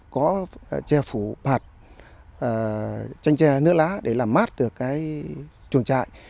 có che phủ bạt chanh tre nước lá để làm mát được cái chuồng trại